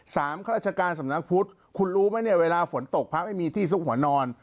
ข้าราชการสำนักพุทธคุณรู้ไหมเนี่ยเวลาฝนตกพระไม่มีที่ซุกหัวนอน